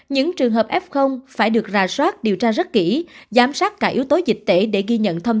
những trường hợp f phải được ra soát điều tra rất kỹ giám sát cả yếu tố dịch tễ để ghi nhận thông